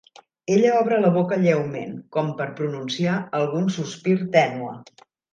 Ella obre la boca lleument, com per pronunciar algun sospir tènue.